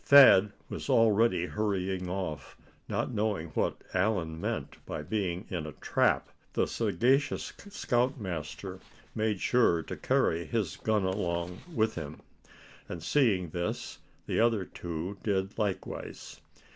Thad was already hurrying off. Not knowing what Allan meant by being in a "trap" the sagacious scoutmaster made sure to carry his gun along with him. And seeing this, the other two did likewise.